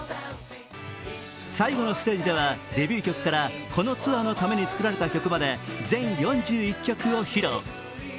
最後のステージではデビュー曲からこのツアーのために作られた曲まで全４１曲を披露。